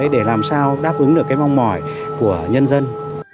để làm sao đáp ứng được cái mong mỏi của nhân dân